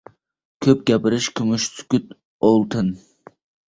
• Ko‘p gapirish ― kumush, sukut ― oltin.